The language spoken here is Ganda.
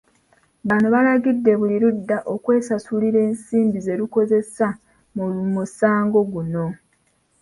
Bano balagidde buli ludda okwesasulira ensimbi ze lukozesezza mu musango guno.